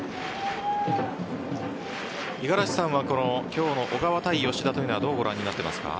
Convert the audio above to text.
五十嵐さんは今日の小川対吉田というのはどうご覧になっていますか？